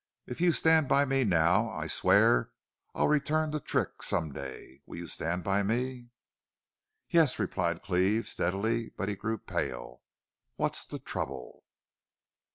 If you stand by me now I swear I'll return the trick some day.... Will you stand by me?" "Yes," replied Cleve, steadily, but he grew pale. "What's the trouble?"